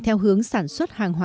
theo hướng sản xuất hàng hóa